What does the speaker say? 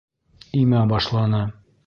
Имә башланы.